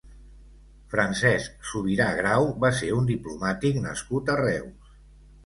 Francesc Subirà Grau va ser un diplomàtic nascut a Reus.